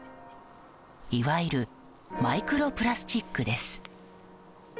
いわゆるマイクロプラスチックです。